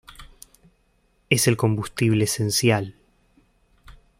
Es el combustible esencial.